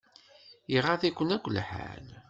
Iɣaḍ-ikun akk lḥal.